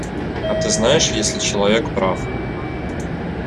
А ты знаешь, если человек прав…